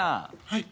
「はい」